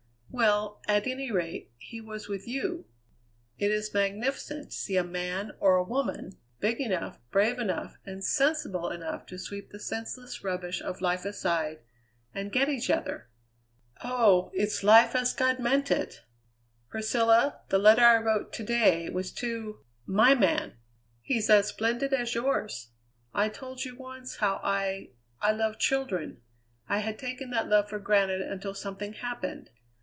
"Well, at any rate, he was with you. It is magnificent to see a man, or a woman, big enough, brave enough, and sensible enough to sweep the senseless rubbish of life aside, and get each other! Oh! it's life as God meant it. Priscilla, the letter I wrote to day was to my man. He's as splendid as yours. I told you once how I I loved children. I had taken that love for granted until something happened.